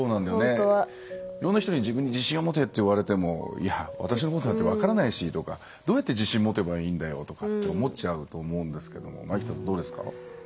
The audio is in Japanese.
いろんな人に自分に自信を持てって言われてもいや、私のよさって分からないしとかどうやって自信持てばいいんだよって思っちゃうと思うんですけど前北さんどうですか。